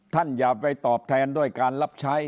อย่าไปตอบแทนด้วยการรับใช้